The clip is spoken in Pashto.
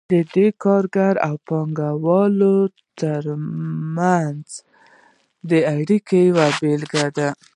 دا د کارګر او پانګه وال ترمنځ د اړیکو یوه بیلګه ده.